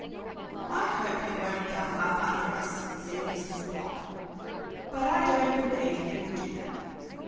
"I hope he won't come up under us," said Mrs. Block. "But I don't believe he will do that.